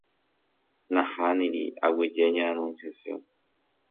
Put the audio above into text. Nahániri aguyje ña Anunciación